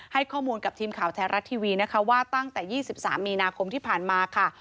ให้ข้อมูลกับทีมข่าวไทยรัฐทีวีนะคะว่าตั้งแต่๒๓มีนาคมที่ผ่านมาค่ะ